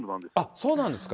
そうなんですか。